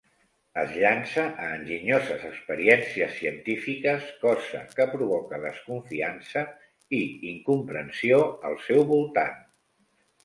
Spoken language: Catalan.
Es llança a enginyoses experiències científiques, cosa que provoca desconfiança i incomprensió al seu voltant.